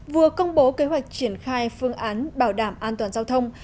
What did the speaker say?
vừa công bố kế hoạch triển khai phương án bảo đảm an toàn giao thông